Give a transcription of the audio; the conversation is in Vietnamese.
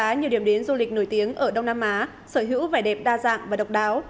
đã nhiều điểm đến du lịch nổi tiếng ở đông nam á sở hữu vẻ đẹp đa dạng và độc đáo